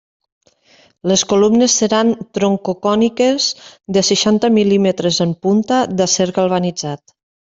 Les columnes seran troncocòniques, de seixanta mil·límetres en punta, d'acer galvanitzat.